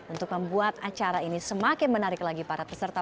untuk membuat acara ini semakin menarik lagi para peserta